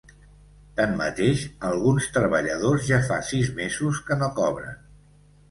Tanmateix, alguns treballadors ja fa sis mesos que no cobren.